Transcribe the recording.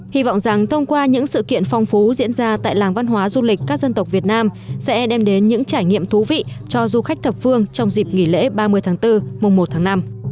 hy vọng rằng thông qua những sự kiện phong phú diễn ra tại làng văn hóa du lịch các dân tộc việt nam sẽ đem đến những trải nghiệm thú vị cho du khách thập phương trong dịp nghỉ lễ ba mươi tháng bốn mùa một tháng năm